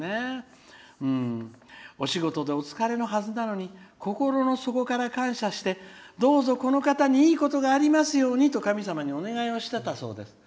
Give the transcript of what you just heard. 「お仕事でお疲れのはずなのに心の底から感謝してどうぞ、この方にいいことがありますようにと神様にお願いをしてたそうです」。